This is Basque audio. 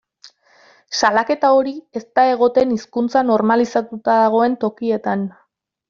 Salaketa hori ez da egoten hizkuntza normalizatuta dagoen tokietan.